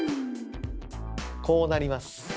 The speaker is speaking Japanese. こうなります。